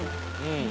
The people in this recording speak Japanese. うん。